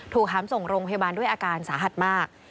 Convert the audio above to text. หามส่งโรงพยาบาลด้วยอาการสาหัสมาก